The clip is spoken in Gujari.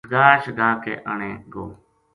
ٹھگا شگا کے آنے گو‘‘